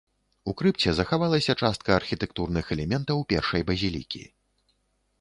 У крыпце захавалася частка архітэктурных элементаў першай базілікі.